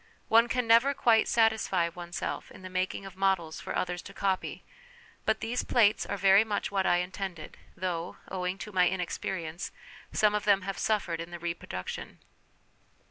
One can never quite satisfy oneself in the making of models for others to copy, but these plates are very much what I intended, though, owing to my inexperience, some of them have suffered in the reproduction.